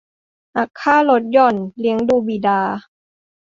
หักค่าลดหย่อนเลี้ยงดูบิดา